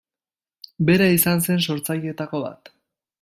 Bera izan zen sortzaileetako bat.